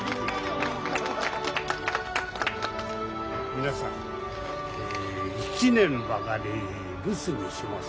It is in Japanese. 皆さん１年ばかり留守にします。